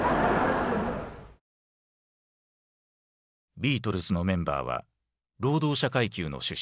ビートルズのメンバーは労働者階級の出身だった。